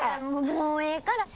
もうええから。